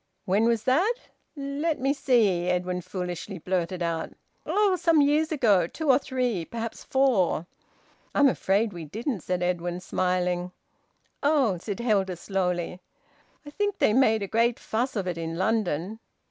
"When was that? let me see," Edwin foolishly blurted out. "Oh! Some years ago. Two or three perhaps four." "I'm afraid we didn't," said Edwin, smiling. "Oh!" said Hilda slowly. "I think they made a great fuss of it in London."